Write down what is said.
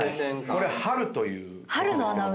これ『春』という音ですけども。